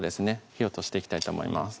火を通していきたいと思います